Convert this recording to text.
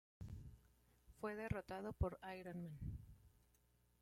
Fue derrotado por Iron Man.